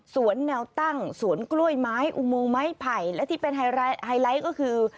แนวตั้งสวนกล้วยไม้อุโมงไม้ไผ่และที่เป็นไฮไลท์ก็คือ